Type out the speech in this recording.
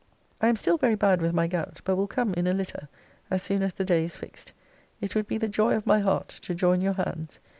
I am still very bad with my gout, but will come in a litter, as soon as the day is fixed; it would be the joy of my heart to join your hands.